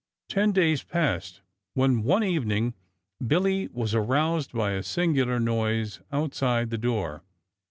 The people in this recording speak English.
Ten days passed, when one evening Billy was aroused by a singular noise outside the door.